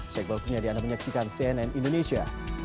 saya kembali kenya di anda menyaksikan cnn indonesia